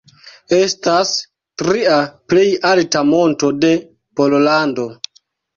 Estas tria plej alta monto de Pollando.